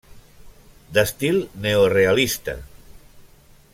D'estil neorealista.